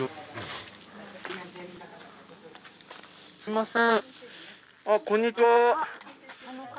すみません。